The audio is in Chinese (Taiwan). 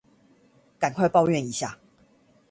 趕快抱怨一下